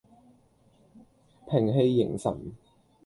屏氣凝神